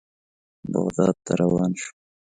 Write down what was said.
بغداد ته روان شوو.